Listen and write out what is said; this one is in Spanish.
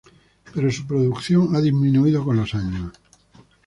Pero su producción ha disminuido con los años.